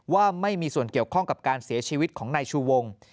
ว่าไม่มีส่วนเกี่ยวข้องกับการเสียชีวิตของนายชูวง